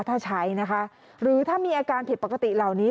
ถ้าใช้นะคะหรือถ้ามีอาการผิดปกติเหล่านี้